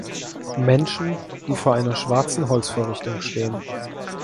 Menschen, die vor einer schwarzen Holz-Vorrichtung stehen.